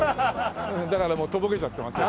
だからもうとぼけちゃってますよ。